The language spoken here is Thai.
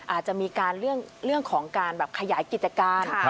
อาจจะมีการเรื่องของการแบบขยายกิจการ